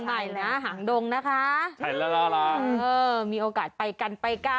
เช่นใหม่นะหางดงนะคะมีโอกาสไปกัน